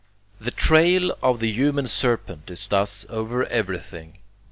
The trail of the human serpent is thus over everything.